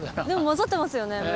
でも交ざってますよね？